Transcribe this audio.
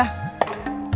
saya masih kesel sama dia